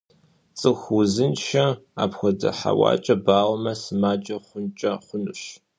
ЦӀыху узыншэр апхуэдэ хьэуакӀэ бауэмэ, сымаджэ хъункӀэ хъунущ.